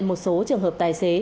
một số trường hợp tài xế